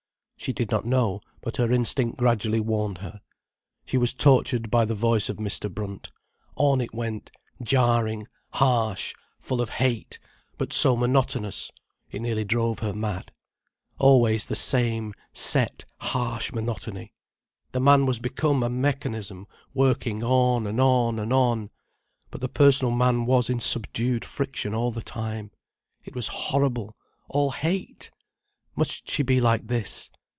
She did not know, but her instinct gradually warned her. She was tortured by the voice of Mr. Brunt. On it went, jarring, harsh, full of hate, but so monotonous, it nearly drove her mad: always the same set, harsh monotony. The man was become a mechanism working on and on and on. But the personal man was in subdued friction all the time. It was horrible—all hate! Must she be like this?